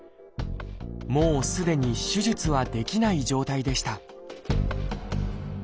もうすでに手術はできない状態でした